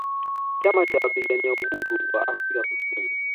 Chama Cha Wapigania Uhuru Wa Afrika Kusini